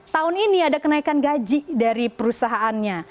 tahun ini ada kenaikan gaji dari perusahaannya